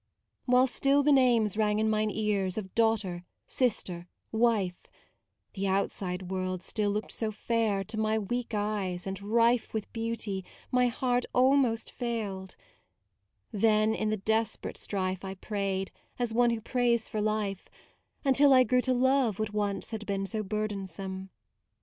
While still the names rang in mine ears Of daughter, sister, wife, The outside world still looked so fair To my weak eyes and rife With beauty, my heart almost failed; Then in the desperate strife I prayed, as one who prays for life, MAUDE 105 Until I grew to love what once Had been so burdensome.